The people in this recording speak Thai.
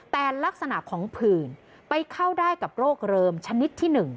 แต่ลักษณะของผื่นไปเข้าได้กับโรคเริมชนิดที่๑